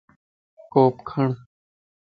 ڪوپ کڙ